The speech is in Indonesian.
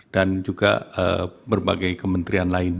dan juga berbagai kementerian lain